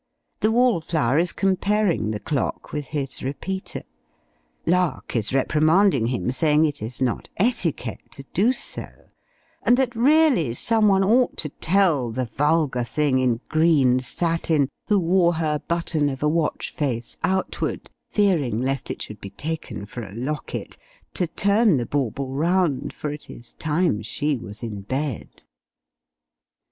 The Wall flower is comparing the clock with his repeater. Lark is reprimanding him, saying it is not etiquette to do so; and that really some one ought to tell the vulgar thing, in green satin, who wore her button of a watch face outward (fearing lest it should be taken for a locket), to turn the bauble round, for it is time she was in bed.